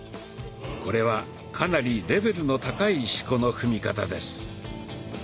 これはかなりレベルの高い四股の踏み方です。